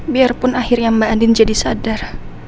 biarpun akhirnya mbak andin jadi sadar